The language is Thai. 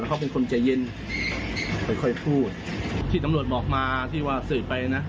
เขาเป็นคนใจเย็นไม่ค่อยพูดที่ตำรวจบอกมาที่ว่าสื่อไปนะ